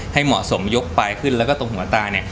ให้เหมาะสมยกปลายขึ้นแล้วก็ตรงหัวตาเนี่ย